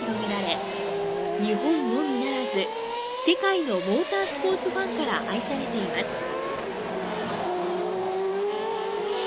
世界のモータースポーツファンから愛されています。